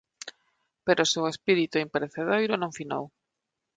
Pero o seu espírito imperecedoiro non finou.